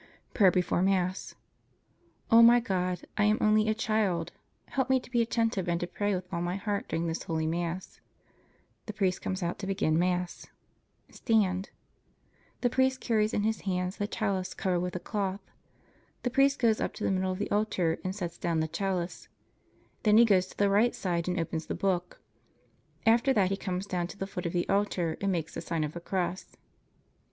PRAYER BEFORE MASS O my God, I am only a child; help me to be attentive, and to pray with all my heart during this holy Mass. The priest comes out to begin Mass. Stand The priest carries in his hands the chalice, covered with a cloth. The priest goes up to the middle of the altar, and sets down the chalice. Then he goes to the right side and opens the book. After that he comes down to the foot of the altar, and makes the Sign of the Cross.